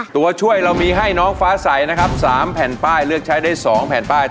ตัวช่วยเรามีให้น้องฟ้าใสนะครับ๓แผ่นป้ายเลือกใช้ได้๒แผ่นป้าย